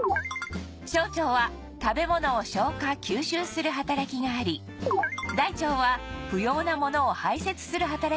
小腸は食べ物を消化・吸収する働きがあり大腸は不要なものを排泄する働きがあるのですが